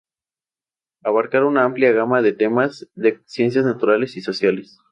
Abarca una amplia gama de temas de ciencias naturales y sociales.